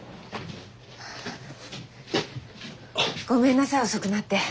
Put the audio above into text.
ごめんなさい遅くなって。